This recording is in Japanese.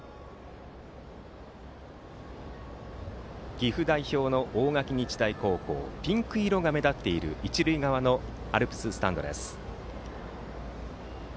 岐阜代表の大垣日大高校ピンク色が目立っている一塁側のアルプススタンドです。